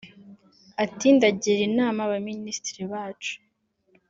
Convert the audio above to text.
Ati “Ndagira inama abaminisitiri bacu